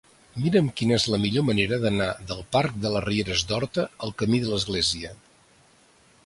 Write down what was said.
Mira'm quina és la millor manera d'anar del parc de les Rieres d'Horta al camí de l'Església.